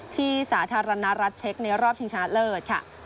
สาธารณรัฐเช็คในรอบชิงชนะเลิศค่ะ